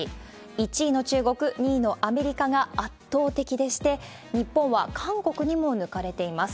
１位の中国、２位のアメリカが圧倒的でして、日本は韓国にも抜かれています。